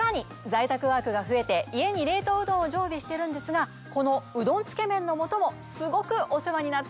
在宅ワークが増えて家に冷凍うどんを常備してるんですがこのうどんつけ麺の素もすごくお世話になってます。